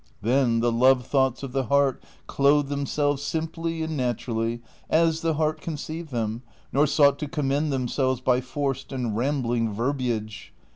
Then the love thoughts of the heart clothed themselves simply and naturally ^ as the heart conceived them, nor sought to commend themselves by forced and rambling verbiage.